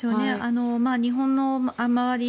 日本の周り